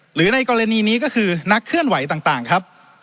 หรือในกรณีนี้ก็คือนักเคลื่อนไหวต่างครับ